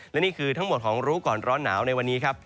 และนี่คือทั้งหมดของรู้ก่อนร้อนหนาวในวันนี้ครับ